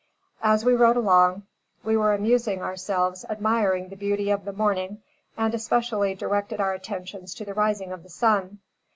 As we rode along, we were amusing ourselves admiring the beauty of the morning, and especially directed our attention to the rising of the sun.